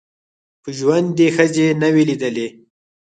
په ژوند یې ښځي نه وې لیدلي